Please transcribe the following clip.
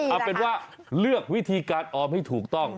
เอาเป็นว่าเลือกวิธีการออมให้ถูกต้อง